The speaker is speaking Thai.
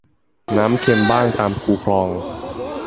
น้ำเค็มบ้างตามคูคลอง